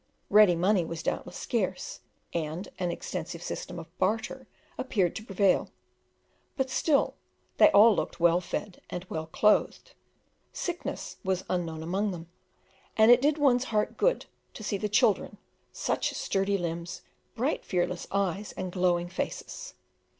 Ready money was doubtless scarce, and an extensive system of barter appeared to prevail; but still they all looked well fed and well clothed; sickness was unknown among them, and it did one's heart good to see the children such sturdy limbs, bright fearless eyes, and glowing faces.